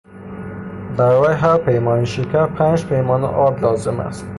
برای هرپیمانه شکر پنج پیمانه آرد لازم است.